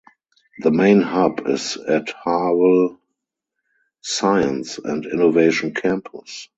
The main hub is at Harwell Science and Innovation Campus.